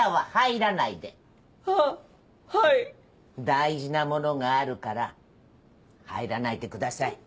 大事なものがあるから入らないでください。